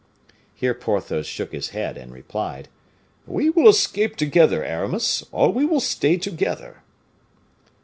Here Porthos shook his head and replied: "We will escape together, Aramis, or we will stay together."